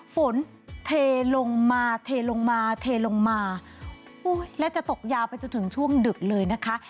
ฝนเทลงมาเทลงมาเทลงมาและจะตกยาวไปจนถึงช่วงดึกเลยนะคะ